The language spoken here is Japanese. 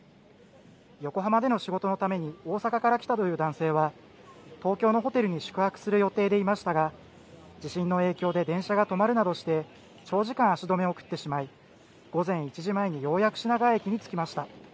横浜での仕事のために大阪から来たという男性は東京のホテルに宿泊する予定でいましたが地震の影響で電車が止まるなどして長時間、足止めを食ってしまい午前１時前にようやく品川駅に着きました。